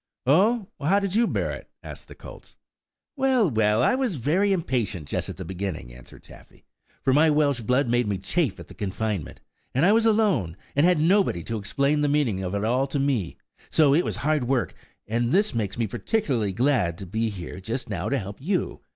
"Oh, how did you bear it?" asked the colts. "Well, well, I was very impatient just at the beginning," answered Taffy; "for my Welsh blood made me chafe at the confinement, and I was alone, and had nobody to explain the meaning of it all to me, so it was hard work; and this makes me particularly glad to be here just now to help you.